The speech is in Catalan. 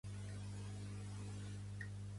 Per a servir-lo.